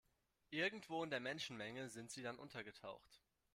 Irgendwo in der Menschenmenge sind sie dann untergetaucht.